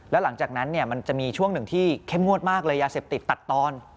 แล้วหลังจากนั้นเนี่ยมันจะมีช่วงหนึ่งที่เข้มงวดมากเลยยาเสพติดตัดตอน